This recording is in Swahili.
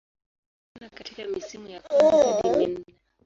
Alionekana katika misimu ya kwanza hadi minne.